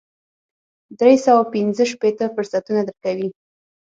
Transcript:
درې سوه او پنځه شپېته فرصتونه درکوي.